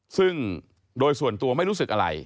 ซึ่งโดยส่วนตัวไม่รู้สึกอะไร